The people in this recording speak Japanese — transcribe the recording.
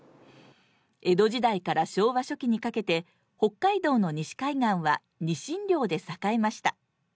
江戸時代から昭和初期にかけて北海道の西海岸はニシン漁で栄えました。